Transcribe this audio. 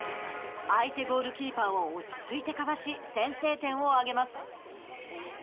相手ゴールキーパーを落ち着いてかわし先制点を挙げます。